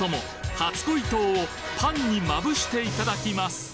初恋糖をパンにまぶしていただきます